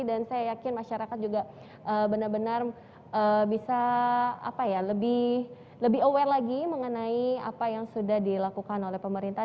dan saya yakin masyarakat juga benar benar bisa lebih aware lagi mengenai apa yang sudah dilakukan oleh pemerintah